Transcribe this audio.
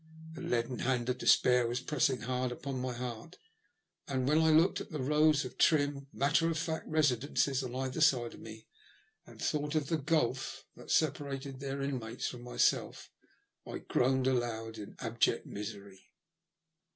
The leaden hand of despair was pressing hard upon my heart, and when I looked at the rows of trim, matter of fact resi dences on either side of me^ and thought of the gulf THE LUST OF HATE. 107 that separated their inmates from myself, I groaned aloud in abject misery.